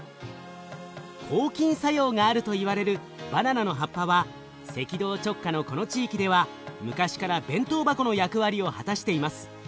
抗菌作用があるといわれるバナナの葉っぱは赤道直下のこの地域では昔から弁当箱の役割を果たしています。